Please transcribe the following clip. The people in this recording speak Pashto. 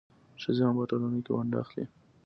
ښځې هم په ټولنه کې ونډه اخلي.